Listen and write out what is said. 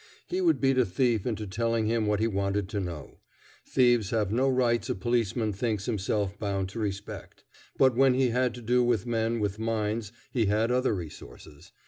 He would beat a thief into telling him what he wanted to know. Thieves have no rights a policeman thinks himself bound to respect. But when he had to do with men with minds he had other resources.